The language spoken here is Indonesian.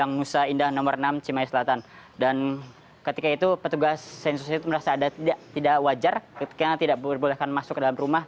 ketika itu petugas sensus itu merasa ada tidak wajar karena tidak diperbolehkan masuk ke dalam rumah